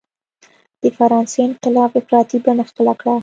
د فرانسې انقلاب افراطي بڼه خپله کړه.